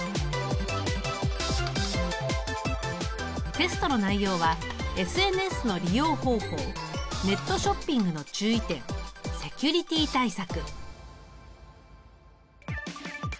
テストの内容はＳＮＳの利用方法ネットショッピングの注意点セキュリティ対策。